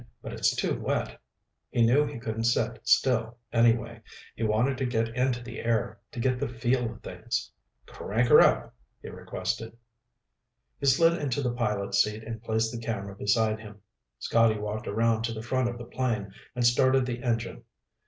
"But it's too wet." He knew he couldn't sit still, anyway. He wanted to get into the air, to get the feel of things. "Crank 'er up," he requested. He slid into the pilot's seat and placed the camera beside him. Scotty walked around to the front of the plane and started the engine.